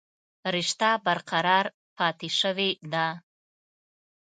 رشته برقرار پاتې شوې ده